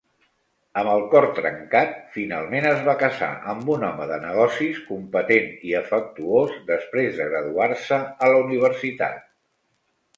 Amb el cor trencat, finalment es va casar amb un home de negocis competent i afectuós després de graduar-se a la universitat.